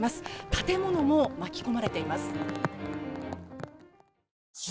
建物も巻き込まれています。